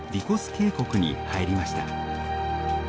渓谷に入りました。